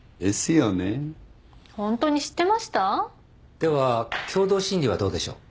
では共同審理はどうでしょう？